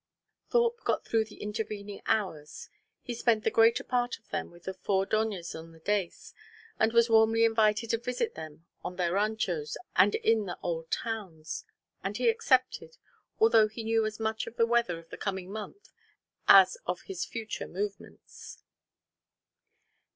_" Thorpe got through the intervening hours. He spent the greater part of them with the four doñas of the dais, and was warmly invited to visit them on their ranchos and in the old towns; and he accepted, although he knew as much of the weather of the coming month as of his future movements.